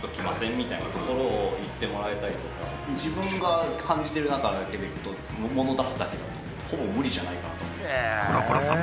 みたいなところを言ってもらえたりとか自分が感じてる中だけでいくともの出すだけだとほぼ無理じゃないかなと思うコロコロさん